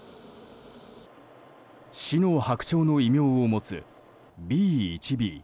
死の白鳥の異名を持つＢ１Ｂ。